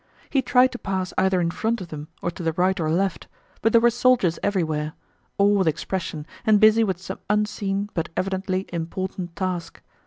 He tried to pass either in front of them or to the right or left, but there were soldiers everywhere, all with the same preoccupied expression and busy with some unseen but evidently important task.